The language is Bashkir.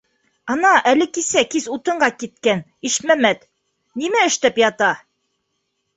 Ана әле кисә кис утынға киткән Ишмәмәт нимә эштәп ята...